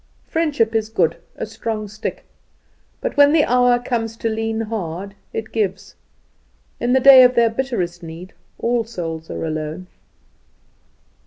Friendship is good, a strong stick; but when the hour comes to lean hard, it gives. In the day of their bitterest need all souls are alone.